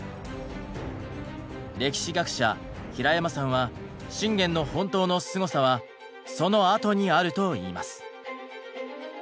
歴史学者平山さんは信玄の本当のすごさはそのあとにあると言います。